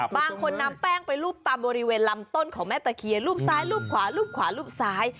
บางคนนำแป้งไปรูปตามบริเวณลำต้นของแม่ตะเคียนรูปซ้ายรูปขวารูปขวารูปซ้าย